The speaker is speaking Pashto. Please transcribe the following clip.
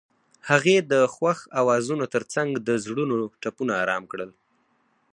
هغې د خوښ اوازونو ترڅنګ د زړونو ټپونه آرام کړل.